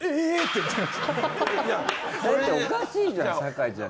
だっておかしいじゃん酒井ちゃん。